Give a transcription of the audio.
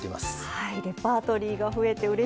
はい。